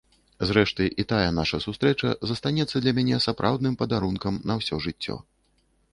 Зрэшты, і тая нашая сустрэча застанецца для мяне сапраўдным падарункам на ўсё жыццё.